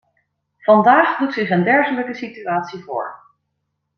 Vandaag doet zich een dergelijke situatie voor.